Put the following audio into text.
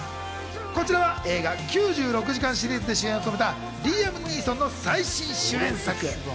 こちらは映画『９６時間』シリーズで主演を務めたリーアム・ニーソンの最新主演作。